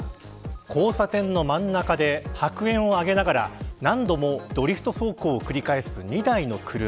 交差点の真ん中で白煙を上げながら何度もドリフト走行を繰り返す２台の車。